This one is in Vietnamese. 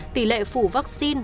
tỷ lệ phủ vaccine và số người nhiễm